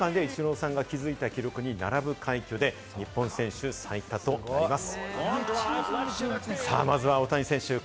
これは１８年間でイチローさんが築いた記録に並ぶ快挙で日本選手最多となります。